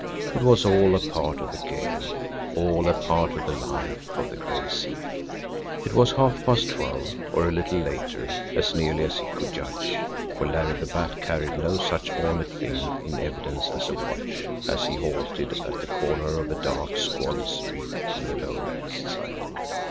It was all a part of the game, all a part of the life of the Gray Seal! It was half past twelve, or a little later, as nearly as he could judge, for Larry the Bat carried no such ornate thing in evidence as a watch, as he halted at the corner of a dark, squalid street in the lower East Side.